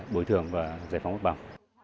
bồi thường và giải phóng mặt bằng